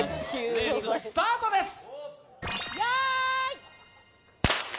レーススタートですよーい